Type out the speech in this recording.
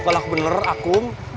kalau aku bener aku